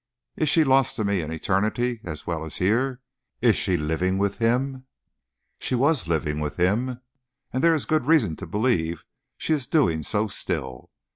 Is she lost to me in eternity as well as here? Is she living with him?" "She was living with him, and there is good reason to believe she is doing so still.